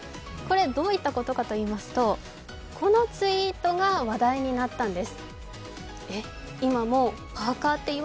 どういったことかといいますと、このツイートが話題になったんです。